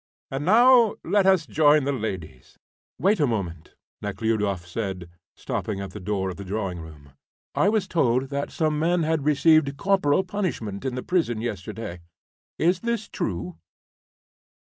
"And now let us join the ladies." "Wait a moment," Nekhludoff said, stopping at the door of the drawing room. "I was told that some men had received corporal punishment in the prison yesterday. Is this true?"